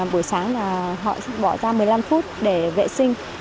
buổi sáng là họ bỏ ra một mươi năm phút để vệ sinh